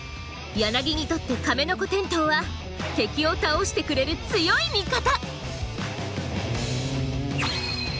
ヤナギにとってカメノコテントウは敵を倒してくれる強い味方！